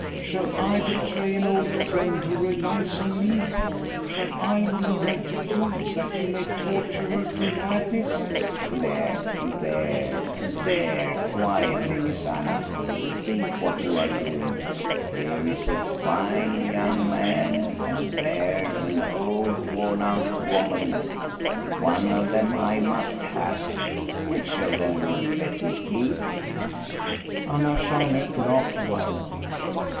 Shall I betray an old friend who relies on me.? Shall I leave her to you, that you may torture her to madness ?"" There, there, there ; quietly, Miss Anna ! Think what you are doing ! Here is a fine young man, and 212 THE STORY OF COSTA BE RUNG. there an old, worn out woman. One of them I must have. Which of them will you let me keep ?" Anna Stjarnhok laughed wildly.